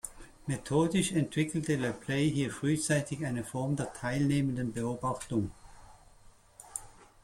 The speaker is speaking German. Methodisch entwickelte Le Play hier frühzeitig eine Form der „teilnehmenden Beobachtung“.